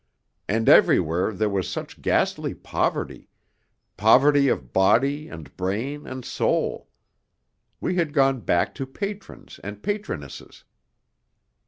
And everywhere there was such ghastly poverty, poverty of body and brain and soul. We had gone back to patrons and patronesses.